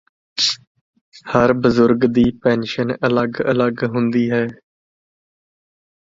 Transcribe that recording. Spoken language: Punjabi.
ਹਰ ਬਜ਼ੁਰਗ ਦੀ ਪੈਨਸ਼ਨ ਅਲੱਗ ਅਲੱਗ ਹੁੰਦੀ ਹੈ